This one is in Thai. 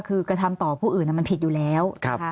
คือกระทำต่อผู้อื่นมันผิดอยู่แล้ว